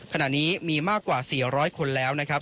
ขณะนี้มีมากกว่า๔๐๐คนแล้วนะครับ